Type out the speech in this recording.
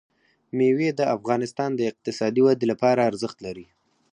مېوې د افغانستان د اقتصادي ودې لپاره ارزښت لري.